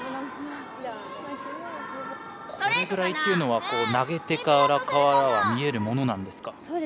これぐらいというのは投げ手側からは見えるものなのですか？